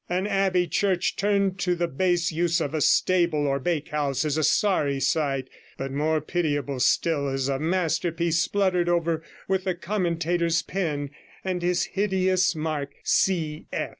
An abbey church turned to the base use of a stable or bakehouse is a sorry sight; but more pitiable still is a masterpiece spluttered over with the commentator's pen, and his hideous mark 'cf